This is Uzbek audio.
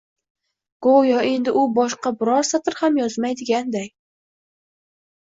Goʻyo endi u boshqa biror satr ham yozmaydiganday